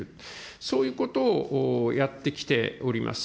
そういうことをやってきております。